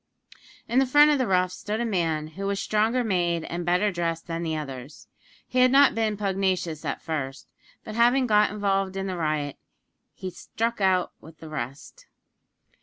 In the front of the roughs stood a man who was stronger made and better dressed than the others. He had not been pugnacious at first; but having got involved in the riot, he struck out with the rest.